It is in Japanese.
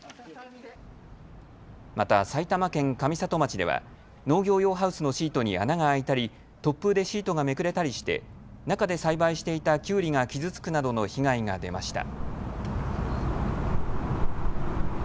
また埼玉県上里町では農業用ハウスのシートに穴があいたり突風でシートがめくれたりして中で栽培していたきゅうりが傷つくなどの被害が出ました。